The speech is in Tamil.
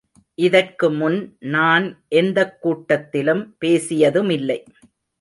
இதற்கு முன் நான் எந்தக் கூட்டத்திலும் பேசியதுமில்லை.